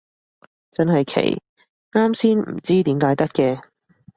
真係奇，啱先唔知點解得嘅